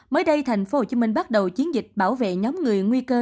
mới đây thành phố hồ chí minh bắt đầu chiến dịch bảo vệ nhóm người nguy cơ